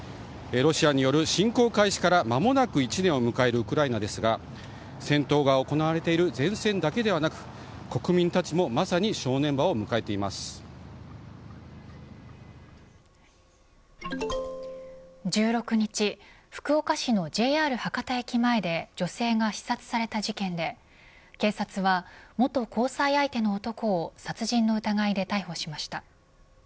ロシアによる侵攻開始から間もなく１年を迎えるウクライナですが戦闘が行われている前線だけではなく国民たちも１６日福岡市のＪＲ博多駅前で女性が刺殺された事件で警察は元交際相手の男を殺人の疑いで逮捕しました。